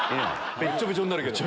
べっちょべちょになるけど。